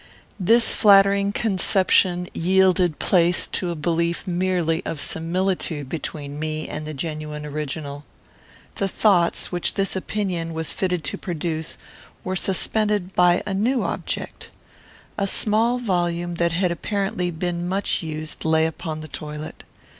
This flattering conception yielded place to a belief merely of similitude between me and the genuine original. The thoughts which this opinion was fitted to produce were suspended by a new object. A small volume, that had, apparently, been much used, lay upon the toilet.